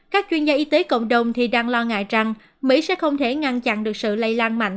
các chuyên gia y tế cộng đồng thì đang lo ngại rằng mỹ sẽ không thể ngăn chặn được sự lây lan mạnh